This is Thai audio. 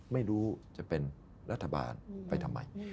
ไม่รู้จะเป็นรัฐบาลไปทำไม